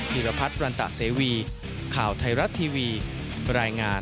ีรพัฒน์รันตะเสวีข่าวไทยรัฐทีวีรายงาน